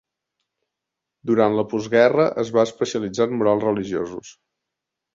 Durant la postguerra es va especialitzar en murals religiosos.